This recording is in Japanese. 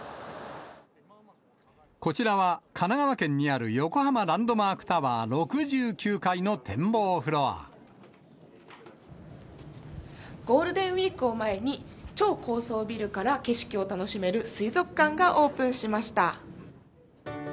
こちらは神奈川県にある横浜ランドマークタワー６９階の展望フロゴールデンウィークを前に、超高層ビルから景色を楽しめる水族館がオープンしました。